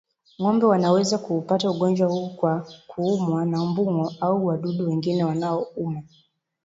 Ng'ombe wanaweza kuupata ugonjwa huu kwa kuumwa na mbung'o au wadudu wengine wanaouma